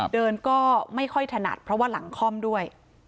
เดินก็ไม่ค่อยถนัดเพราะว่าหลังคล่อมด้วย